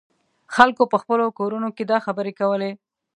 خلکو په خپلو کورونو کې دا خبرې کولې.